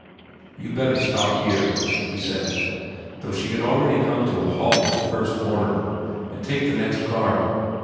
"You'd better stop here," he said, though she had already come to a halt at the first corner, "and take the next car."